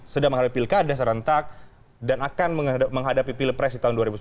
sedang menghadapi pilkada serentak dan akan menghadapi pilpres di tahun dua ribu sembilan belas